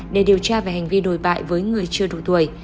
để điều tra về hành vi đồi bại với người chưa đủ tuổi